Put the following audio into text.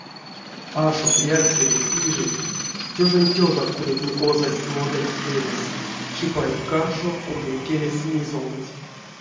Ашот, якстереть, пижеть — тёжань тёжат кудотне озасть моданть элес, чипаенть каршо кургонь келес мизолдыть.